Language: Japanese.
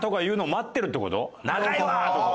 「長いわ！」とか。